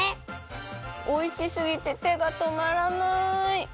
おいしすぎててがとまらない！